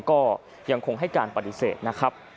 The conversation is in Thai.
ก็ยังคงให้การปฏิเสธนะครับ